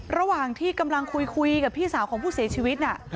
ระหว่างที่กำลังคุยกับพี่สาวของผู้เสียชีวิตน่ะ